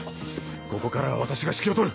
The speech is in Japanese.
ここからは私が指揮を執る。